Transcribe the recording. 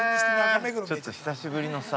ちょっと久しぶりのさ。